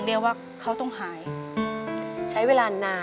เปลี่ยนเพลงเพลงเก่งของคุณและข้ามผิดได้๑คำ